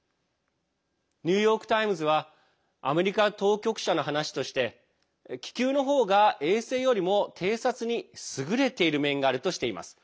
ニューヨーク・タイムズはアメリカ当局者の話として気球の方が、衛星よりも偵察に優れている面があるとしています。